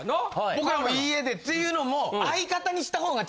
僕らも「いいえ」でっていうのも。